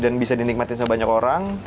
dan bisa dinikmatin sebanyak orang